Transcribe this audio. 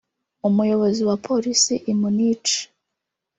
Umuyobozi wa Polisi i Munich